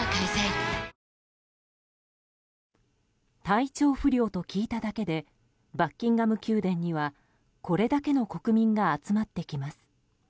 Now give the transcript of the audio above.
体調不良と聞いただけでバッキンガム宮殿にはこれだけの国民が集まってきます。